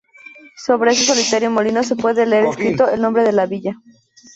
Sobre este solitario molino se puede leer escrito el nombre de la villa.